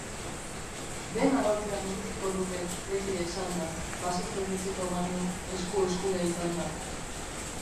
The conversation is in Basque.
Dena galtzea mereziko nuke, egia esanda Pasatzen utziko banu, esku-eskura izanda.